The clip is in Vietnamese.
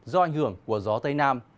do ảnh hưởng của gió tây nam